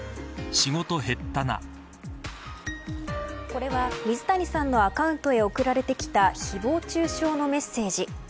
これは水谷さんのアカウントへ送られてきた誹謗中傷のメッセージ。